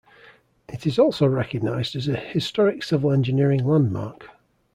It is also recognized as a Historic Civil Engineering Landmark.